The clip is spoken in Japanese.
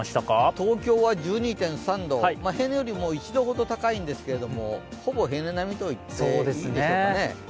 東京は１２．３度、平年より１度ほど高いんですけれどほぼ平年並みといっていいでしょうかね。